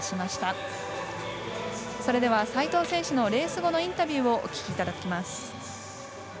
それでは齋藤選手のレース後のインタビューをお聞きいただきます。